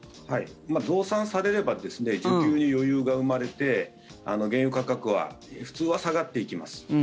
増産されれば需給に余裕が生まれて原油価格は普通は下がっていきます。